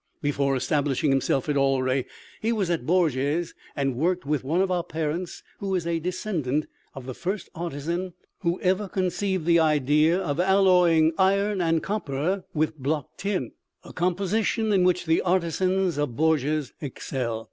Before establishing himself at Alrè, he was at Bourges and worked with one of our parents who is a descendant of the first artisan who ever conceived the idea of alloying iron and copper with block tin, a composition in which the artisans of Bourges excel....